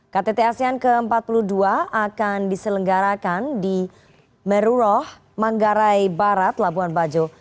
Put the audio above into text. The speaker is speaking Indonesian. ktt asean ke empat puluh dua akan diselenggarakan di meruroh manggarai barat labuan bajo